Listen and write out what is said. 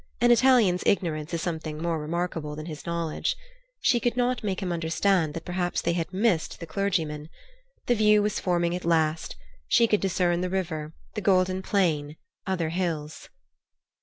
An Italian's ignorance is sometimes more remarkable than his knowledge. She could not make him understand that perhaps they had missed the clergymen. The view was forming at last; she could discern the river, the golden plain, other hills.